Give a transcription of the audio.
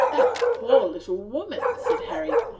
"That poor little old woman!" said Harry.